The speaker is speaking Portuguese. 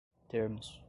termos